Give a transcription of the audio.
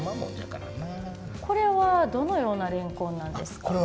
これはどのようなれんこんなんですか？